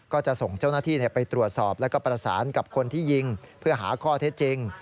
ก็จะส่งเจ้าหน้าที่ไปตรวจสอบแล้วก็ประสานกับคนที่ยิงเพื่อหาข้อเท็จจริง